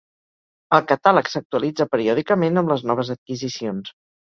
El Catàleg s'actualitza periòdicament amb les noves adquisicions.